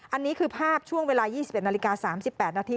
อันนี้คือภาพช่วงเวลา๒๑นาฬิกา๓๘นาที